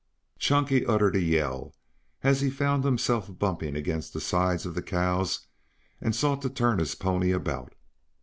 Chunky uttered a yell as he found himself bumping against the sides of the cows and sought to turn his pony about.